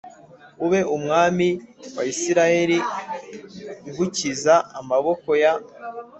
Ube umwami wa isirayeli ngukiza amaboko ya